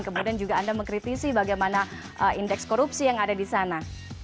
kemudian juga anda mengkritisi bagaimana indeks korupsi yang ada di sana